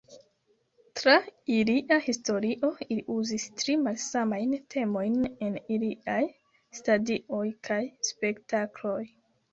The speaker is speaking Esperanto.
Tra ilia historio, ili uzis tri malsamajn temojn en iliaj stadioj kaj spektakloj.